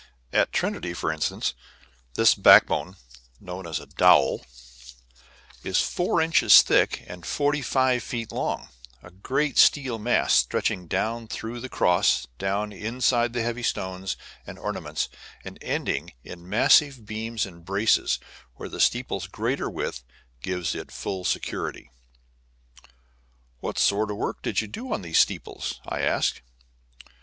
At Trinity, for instance, this backbone (known as a dowel) is four inches thick and forty five feet long, a great steel mast stretching down through the cross, down inside the heavy stones and ornaments, and ending in massive beams and braces where the steeple's greater width gives full security. "What sort of work did you do on these steeples?" I asked.